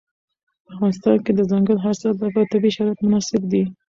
په افغانستان کې د دځنګل حاصلات لپاره طبیعي شرایط مناسب دي.